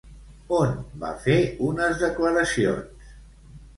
On va fer unes declaracions?